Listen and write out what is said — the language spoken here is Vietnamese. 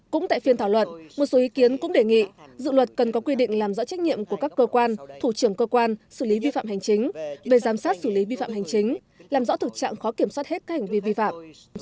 cũng tại phiên thảo luận một số ý kiến cũng đề nghị dự luật cần có quy định làm rõ trách nhiệm của các cơ quan thủ trưởng cơ quan xử lý vi phạm hành chính về giám sát xử lý vi phạm hành chính làm rõ thực trạng khó kiểm soát hết các hành vi vi phạm